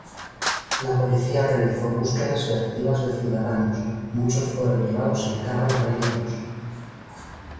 La policía realizó búsquedas selectivas de ciudadanos, muchos fueron llevados en carros rellenos.